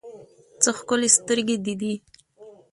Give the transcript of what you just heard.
څه ښکلي سترګې دې دي